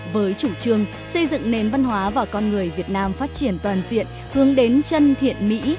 với chủ trương xây dựng nền văn hóa và con người việt nam phát triển toàn diện hướng đến chân thiện mỹ